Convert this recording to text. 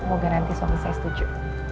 semoga nanti suami saya setuju